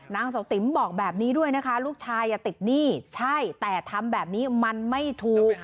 นางเสาติ๋มบอกแบบนี้ด้วยนะคะลูกชายติดหนี้ใช่แต่ทำแบบนี้มันไม่ถูก